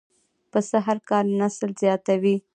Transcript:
پسه هر کال نسل زیاتوي.